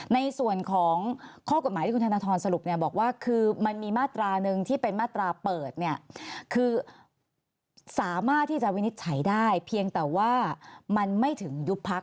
ในส่วนของข้อกฎหมายที่คุณธนทรสรุปเนี่ยบอกว่าคือมันมีมาตราหนึ่งที่เป็นมาตราเปิดเนี่ยคือสามารถที่จะวินิจฉัยได้เพียงแต่ว่ามันไม่ถึงยุบพัก